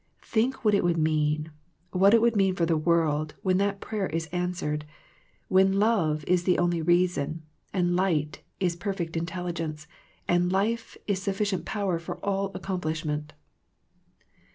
Think what it would mean, what it will mean for the world when that prayer is answered, when "love " is the only reason, and "light " is perfect intelligence, and " life " is sufficient power for all accomplishment.